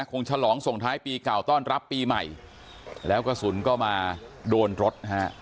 ฉลองส่งท้ายปีเก่าต้อนรับปีใหม่แล้วกระสุนก็มาโดนรถฮะ